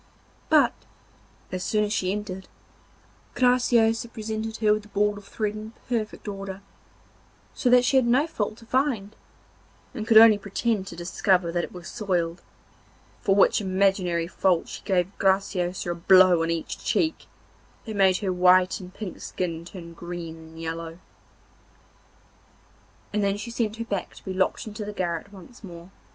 But, as soon as she entered, Graciosa presented her with the ball of thread in perfect order, so that she had no fault to find, and could only pretend to discover that it was soiled, for which imaginary fault she gave Graciosa a blow on each cheek, that made her white and pink skin turn green and yellow. And then she sent her back to be locked into the garret once more.